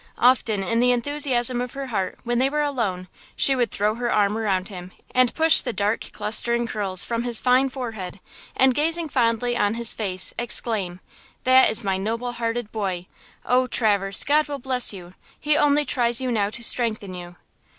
Often in the enthusiasm of her heart, when they were alone, she would throw her arm around him, and push the dark, clustering curls from his fine forehead, and, gazing fondly on his face, exclaim: "That is my noble hearted boy! Oh, Traverse, God will bless you! He only tries you now to strengthen you!